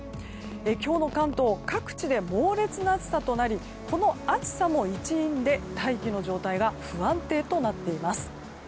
今日の関東各地で猛烈な暑さとなりこの暑さも一因で大気の状態が不安定となっています。